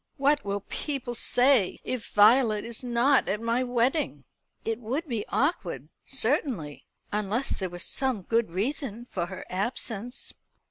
"What will people say if Violet is not at my wedding?" "It would be awkward, certainly; unless there were some good reason for her absence."